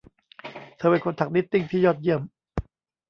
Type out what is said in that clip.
เธอเป็นคนถักนิตติ้งที่ยอดเยี่ยม